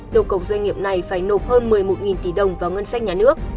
yêu cầu doanh nghiệp này phải nộp hơn một mươi một tỷ đồng vào ngân sách nhà nước